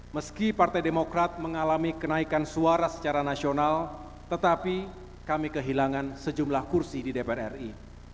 meski partai demokrat mengalami kenaikan suara secara nasional tetapi kami kehilangan sejumlah kursi di dpr ri